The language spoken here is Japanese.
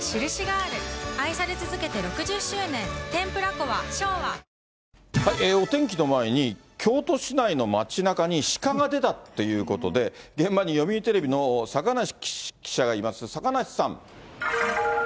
このあと、お天気の前に、京都市内の街なかに鹿が出たっていうことで、現場に読売テレビの坂梨記者がいます。